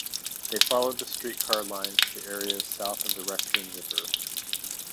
They followed the streetcar lines to areas south of the Raccoon River.